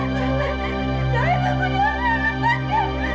jangan lupa rupi